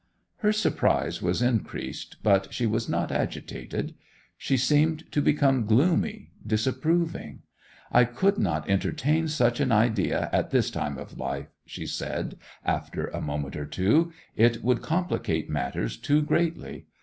Her surprise was increased, but she was not agitated. She seemed to become gloomy, disapproving. 'I could not entertain such an idea at this time of life,' she said after a moment or two. 'It would complicate matters too greatly.